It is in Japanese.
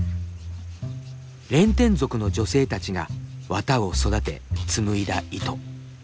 レンテン族の女性たちが綿を育て紡いだ糸。